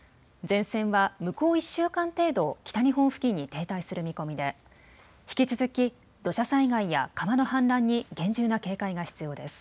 前線は向こう１週間程度、北日本付近に停滞する見込みで、引き続き、土砂災害や川の氾濫に厳重な警戒が必要です。